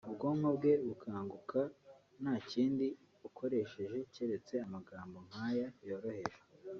ubwonko bwe bukaguka nta kindi ukoresheje uretse amagambo nk’aya yoroheje